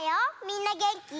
みんなげんき？